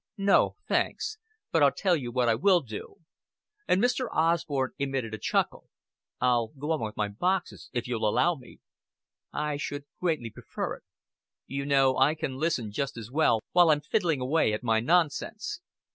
"No, thanks. But I'll tell you what I will do;" and Mr. Osborn emitted a chuckle. "I'll go on with my boxes, if you'll allow me." "I should greatly prefer it." "You know, I can listen just as well, while I'm fiddling away at my nonsense."